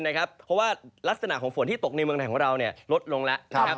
เพราะว่ารักษณะของฝนที่ตกในเมืองไทยของเราลดลงแล้วนะครับ